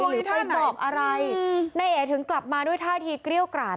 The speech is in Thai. ไปทัวร์อีท่าไหนหรือไปบอกอะไรนายเอถึงกลับมาด้วยท่าทีเกรี้ยวกราด